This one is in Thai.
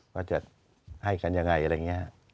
ว่าจะให้กันยังไงอะไรอย่างนี้